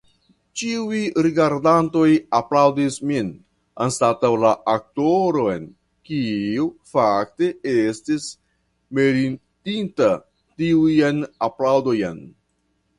Ĉiuj rigardantoj aplaŭdis min, anstataŭ la aktoron, kiu fakte estis meritinta tiujn aplaŭdojn.